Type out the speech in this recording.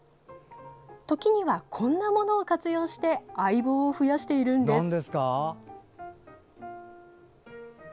時には、こんなものを活用して相棒を増やしているんです。